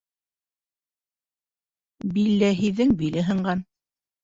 Билләһиҙең биле һынған.